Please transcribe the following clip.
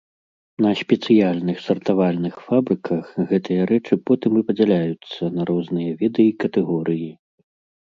На спецыяльных сартавальных фабрыках гэтыя рэчы потым і падзяляюцца на розныя віды і катэгорыі.